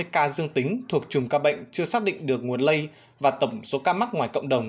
hai ca dương tính thuộc chùm ca bệnh chưa xác định được nguồn lây và tổng số ca mắc ngoài cộng đồng